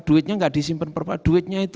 duitnya nggak disimpan duitnya itu